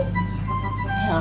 ya gak kepengen